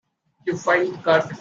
You fight it cut.